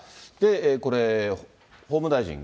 これ、法務大臣が。